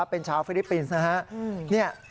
เป็นชาวฟิลิปปินส์นะฮะ